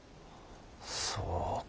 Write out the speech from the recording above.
そうか。